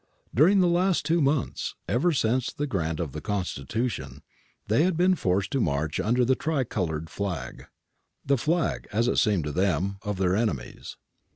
During the last two months, ever since the grant of the Constitution, they had been forced to march under the tricolour flag, — the flag, as it seemed to them, of their enemies.